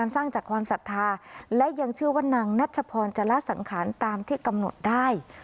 สร้างจากความศรัทธาและยังเชื่อว่านางนัชพรจะละสังขารตามที่กำหนดได้